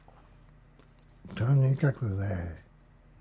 とにかくね